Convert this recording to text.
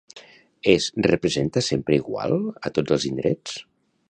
Es representa sempre igual a tots els indrets?